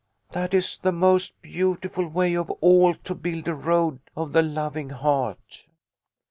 " That is the most beautiful way of all to build a Road of the Loving Heart."